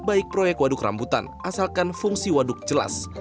baik proyek waduk rambutan asalkan fungsi waduk jelas